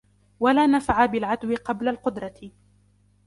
وَلَا نَفْعَ بِالْعَدْوِ قَبْلَ الْقُدْرَةِ